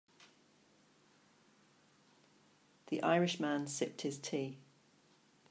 The Irish man sipped his tea.